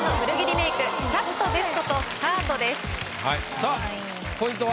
さぁポイントは？